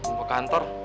gue mau ke kantor